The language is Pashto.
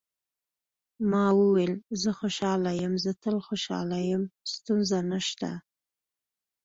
ما وویل: زه خوشاله یم، زه تل خوشاله یم، ستونزه نشته.